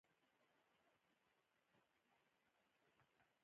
کله چي خواړه خورې؛ په داسي وخت کښې بس کړئ، چي موړ نه يې.